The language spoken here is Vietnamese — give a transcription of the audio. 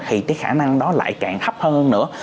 thì cái khả năng đó lại càng thấp hơn nữa